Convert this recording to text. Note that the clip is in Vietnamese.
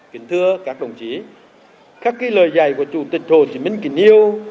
kính thưa các đồng chí khắc ký lời dạy của chủ tịch hồ chí minh kỳ nhiêu